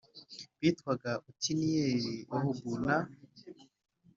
bitwaga Otiniyeli Ehudi na